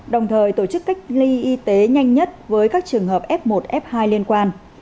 đồng thời tổ chức cách ly y tế nhanh nhất với các trường hợp f một f hai liên quan